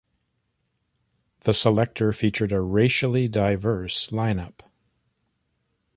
The Selecter featured a racially diverse line-up.